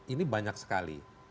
ini banyak sekali